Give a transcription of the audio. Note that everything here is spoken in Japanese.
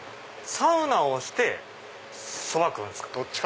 サウナをしてそば食うんすか？